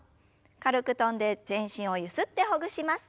軽く跳んで全身をゆすってほぐします。